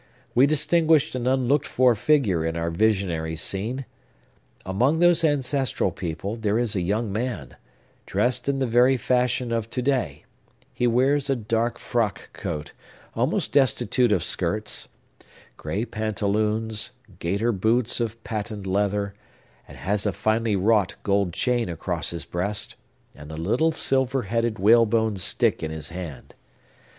We distinguish an unlooked for figure in our visionary scene. Among those ancestral people there is a young man, dressed in the very fashion of to day: he wears a dark frock coat, almost destitute of skirts, gray pantaloons, gaiter boots of patent leather, and has a finely wrought gold chain across his breast, and a little silver headed whalebone stick in his hand.